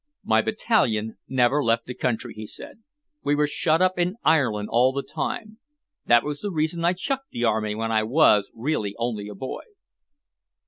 "My battalion never left the country," he said. "We were shut up in Ireland all the time. That was the reason I chucked the army when I was really only a boy."